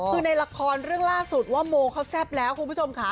คือในละครเรื่องล่าสุดว่าโมเขาแซ่บแล้วคุณผู้ชมค่ะ